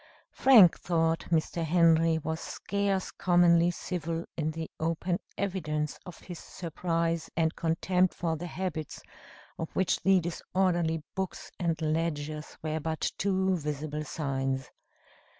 Frank thought Mr. Henry was scarce commonly civil in the open evidence of his surprise and contempt for the habits, of which the disorderly books and ledgers were but too visible signs.